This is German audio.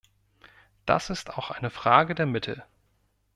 Das ist auch eine Frage der Mittel.